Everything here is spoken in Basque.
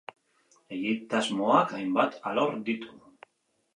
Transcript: Egitasmoak hainbat alor ditu.